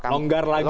longgar lagi ya